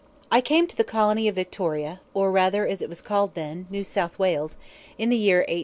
"I came to the colony of Victoria, or, rather, as it was called then, New South Wales, in the year 18